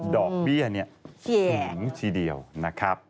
ดอกเบี้ยสูงทีเดียวนะครับ